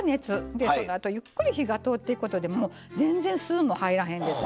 でこのあとゆっくり火が通っていくことでもう全然すも入らへんですしね